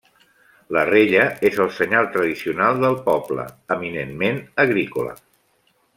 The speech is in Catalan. La rella és el senyal tradicional del poble, eminentment agrícola.